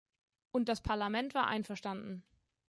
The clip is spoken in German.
Und das Parlament war einverstanden.